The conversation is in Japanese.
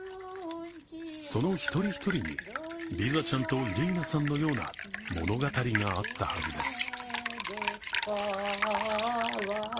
その一人一人にリザちゃんとイリーナさんのような物語があったはずです。